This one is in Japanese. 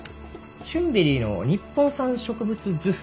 チュンベリーの「日本産植物図譜」